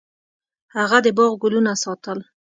هغه د باغ ګلونه ساتل.